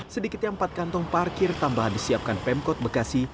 sedikitnya empat kantong parkir tambahan disiapkan pemkot bekasi